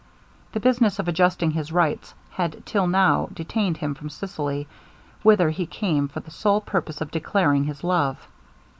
The business of adjusting his rights had till now detained him from Sicily, whither he came for the sole purpose of declaring his love.